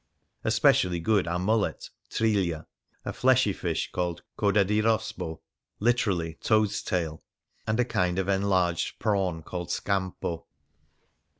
Especially good are mullet {trigUa), a fleshy fish called coda di rospo (literally, " toad's tail "), and a kind of enlarged prawn called scampo.